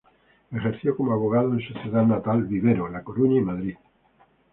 Ejerció como abogado en su ciudad natal Vivero, La Coruña y Madrid.